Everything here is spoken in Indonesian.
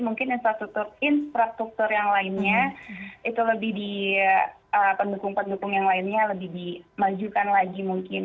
mungkin infrastruktur yang lainnya pendukung pendukung yang lainnya lebih dimajukan lagi mungkin